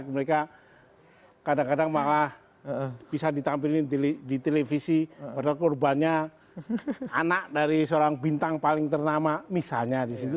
mereka kadang kadang malah bisa ditampilin di televisi padahal korbannya anak dari seorang bintang paling ternama misalnya disitu